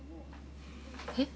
えっ？